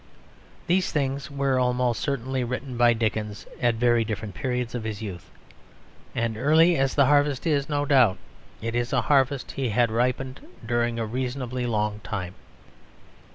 These things were almost certainly written by Dickens at very various periods of his youth; and early as the harvest is, no doubt it is a harvest and had ripened during a reasonably long time.